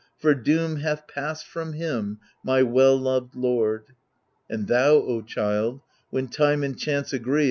for doom hath passed from him^ my well loved lord! And thou, O child, when Time and Chance agree.